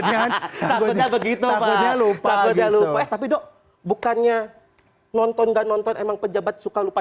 emang iya takutnya begitu pak tapi dok bukannya nonton enggak nonton emang pejabat suka lupa